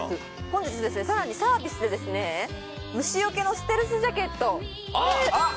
本日ですねさらにサービスでですね虫除けのステルスジャケットあっ！